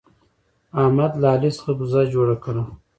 احمد له علي څخه بزه جوړه کړه.